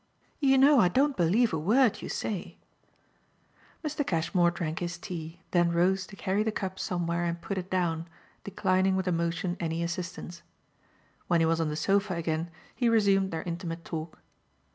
"You know I don't believe a word you say." Mr. Cashmore drank his tea, then rose to carry the cup somewhere and put it down, declining with a motion any assistance. When he was on the sofa again he resumed their intimate talk.